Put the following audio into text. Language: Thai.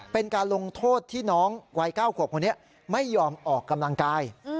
เป็นการลงโทษที่น้องวัย๙ขวบคนนี้ไม่ยอมออกกำลังกาย